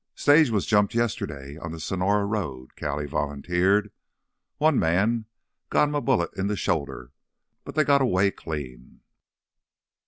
"Stage was jumped yesterday on th' Sonora road," Callie volunteered. "One men got him a bullet in th' shoulder, but they got away clean.